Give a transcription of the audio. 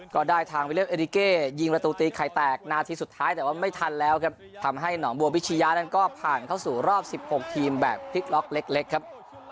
ก็ได้ทางวิเลียริเก้ยิงประตูตีไข่แตกนาทีสุดท้ายแต่ว่าไม่ทันแล้วครับทำให้หนองบัวพิชยะนั้นก็ผ่านเข้าสู่รอบ๑๖ทีมแบบพลิกล็อกเล็กครับ